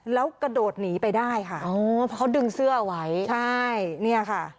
แล้วกระโดดหนีไปได้ค่ะอ๋อเพราะเขาดึงเสื้อไว้ใช่เนี่ยค่ะ